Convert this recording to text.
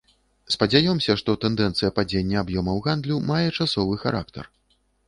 Спадзяёмся, што тэндэнцыя падзення аб'ёмаў гандлю мае часовы характар.